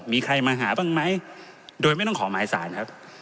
มีใครมาหาบ้างไหมโดยไม่ต้องขอหมายสารครับ